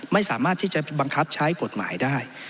ไม่สามารถที่จะบังคับใช้กฎหมายได้